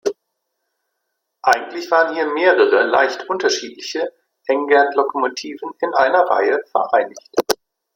Eigentlich waren hier mehrere, leicht unterschiedliche Engerth-Lokomotiven in einer Reihe vereinigt.